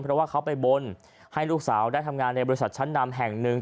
เพราะว่าเขาไปบนให้ลูกสาวได้ทำงานในบริษัทชั้นนำแห่งหนึ่ง